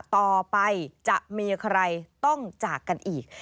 ต่อไปจะมีใครต้องจากกันอีก